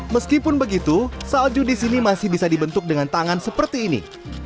meskipun begitu salju di sini masih bisa dibentuk dengan tangan seperti ini